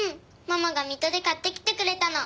ママが水戸で買ってきてくれたの。